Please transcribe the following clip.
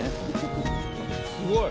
すごい。